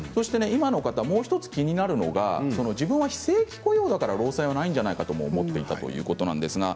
今の方もう１つ気になるのは、自分が非正規雇用だから労災はないんじゃないかと思っていたということです。